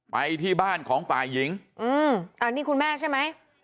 ไปที่บ้านของฝ่ายหญิงอืมอ่านี่คุณแม่ใช่ไหม